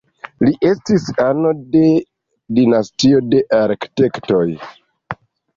Li estis ano de dinastio de arkitektoj.